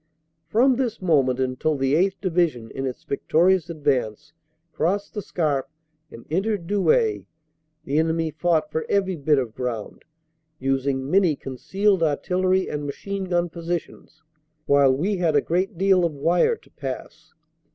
From this moment until the 8th. Division in its victorious advance crossed the Scarpe and entered Douai, the enemy fought for every bit of ground, using many concealed artillery and machine gun posi tions, while we had a great deal of wire to pass.